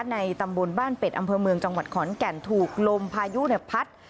ในตำบลบ้านเป็ดอำเภอเมืองจังหวัดขอนแก่นถูกลมพายุพัด